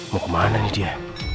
mau kemana nih dia